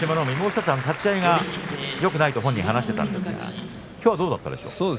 海にも少し立ち合いがよくないと本人は話していたんですがきょうはどうだったでしょうか。